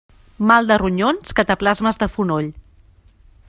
Mal de ronyons, cataplasmes de fonoll.